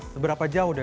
seberapa jauh deh